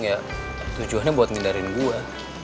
ya tujuannya buat ngindarin gue